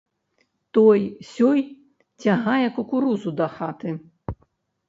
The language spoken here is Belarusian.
Той-сёй цягае кукурузу дахаты.